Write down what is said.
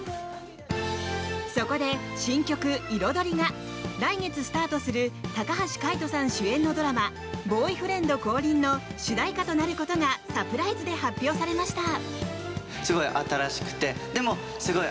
そこで、新曲「彩り」が来月スタートする高橋海人さん主演のドラマ「ボーイフレンド降臨！」の主題歌となることがサプライズで発表されました。